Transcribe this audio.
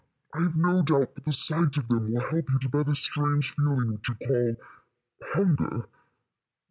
I have no doubt but the sight of them will help you to bear this strange feeling which you call hunger."